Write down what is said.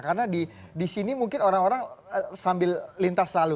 karena di sini mungkin orang orang sambil lintas lalu